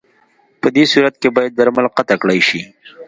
پدې صورت کې باید درمل قطع کړای شي.